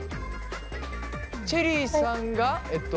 チェリーさんがえっと。